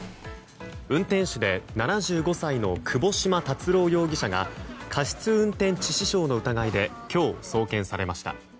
運転手で、７５歳の窪島達郎容疑者が過失運転致死傷の疑いで今日、送検されました。